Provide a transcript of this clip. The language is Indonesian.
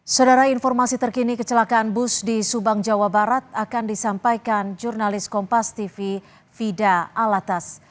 saudara informasi terkini kecelakaan bus di subang jawa barat akan disampaikan jurnalis kompas tv fida alatas